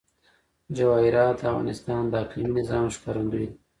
جواهرات د افغانستان د اقلیمي نظام ښکارندوی ده.